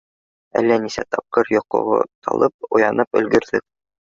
Әллә нисә тапҡыр йоҡоға талып, уянып өлгөрҙөк.